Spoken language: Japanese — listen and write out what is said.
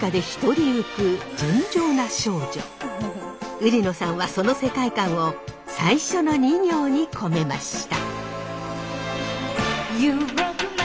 売野さんはその世界観を最初の２行に込めました。